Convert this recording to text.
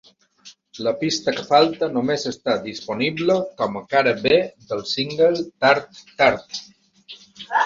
La pista que falta només està disponible com a cara B del single "Tart Tart".